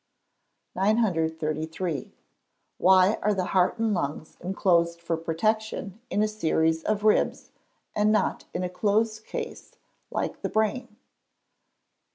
933. _Why are the heart and lungs enclosed for protection in a series of ribs, and not in a close case, like the brain?